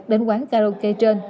đến quán karaoke trên